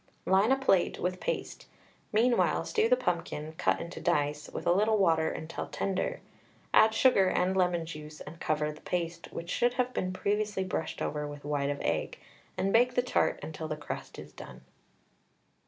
Line a plate with paste. Meanwhile, stew the pumpkin, cut into dice, with a little water until tender. Add sugar and Lemon juice, and cover the paste, which should have been previously brushed over with white of egg, and bake the tart until the crust is done.